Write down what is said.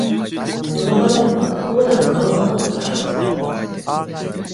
その場面はポーラの顔のアップから始まります。